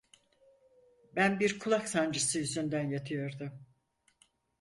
Ben bir kulak sancısı yüzünden yatıyordum.